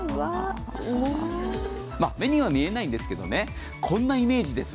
目には見えないんですけど、こんなイメージです。